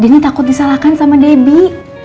jadinya takut disalahkan sama debbie